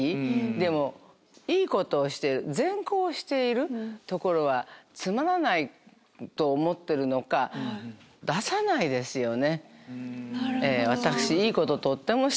でもいいことをしてる善行をしているところはつまらないと思ってるのか出さないですよね。